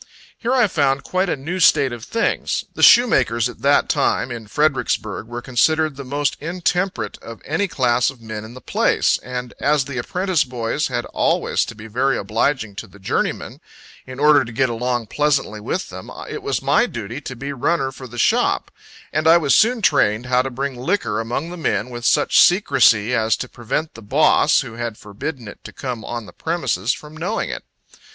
Here I found quite a new state of things. The shoemakers, at that time, in Fredericksburg, were considered the most intemperate of any class of men in the place; and as the apprentice boys had always to be very obliging to the journeymen, in order to get along pleasantly with them, it was my duty to be runner for the shop; and I was soon trained how to bring liquor among the men with such secresy as to prevent the boss, who had forbidden it to come on the premises, from knowing it.